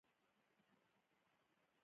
ژبې د افغانانو د معیشت یوه طبیعي سرچینه ده.